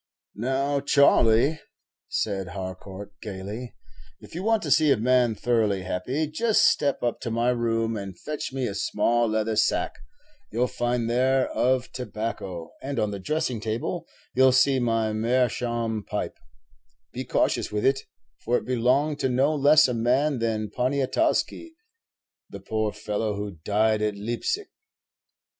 "Now, Charley," said Jarcourt, gayly, "if you want to see a man thoroughly happy, just step up to my room and fetch me a small leather sack you 'll find there of tobacco, and on the dressing table you 'll see my meerschaum pipe; be cautious with it, for it belonged to no less a man than Poniatowski, the poor fellow who died at Leipsic."